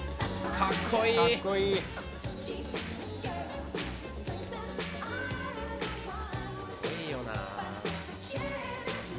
かっこいいよな。